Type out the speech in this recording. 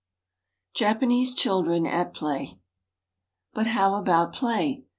JAPANESE CHILDREN AT PLAY BUT how about play ?